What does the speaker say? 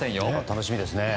楽しみですね。